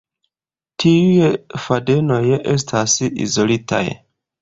Tiuj fadenoj estas izolitaj.